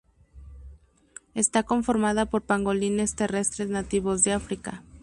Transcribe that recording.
Está conformada por pangolines terrestres nativos de África.